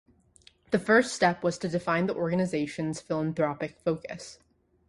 The first step was to define the organization's philanthropic focus.